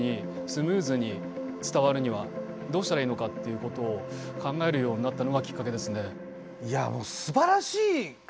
スムーズに伝わるにはどうしたらいいのかということを考えるようになったのがきっかけですね。